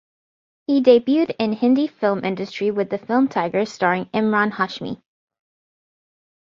He debuted in Hindi film industry with the film Tigers starring Emraan Hashmi.